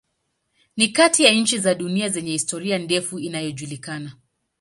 Ni kati ya nchi za dunia zenye historia ndefu inayojulikana.